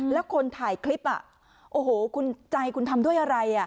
แล้วคนถ่ายคลิปโอ้โหคุณใจคุณทำด้วยอะไร